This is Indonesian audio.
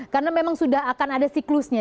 karena memang sudah akan ada siklusnya